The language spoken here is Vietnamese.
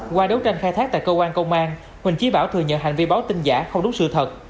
qua đấu tranh khai thác tại cơ quan công an huỳnh trí bảo thừa nhận hành vi báo tin giả không đúng sự thật